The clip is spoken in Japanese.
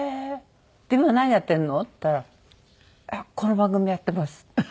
今何やってるの？」って言ったら「この番組やってます」。